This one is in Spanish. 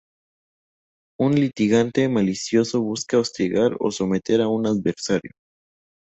Un litigante malicioso busca hostigar o someter a un adversario.